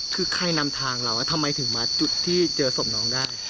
คือใครนำทางเราทำไมถึงมาจุดที่เจอศพน้องได้